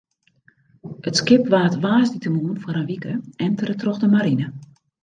It skip waard woansdeitemoarn foar in wike entere troch de marine.